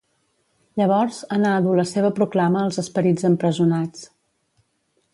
Llavors anà a dur la seva proclama als esperits empresonats.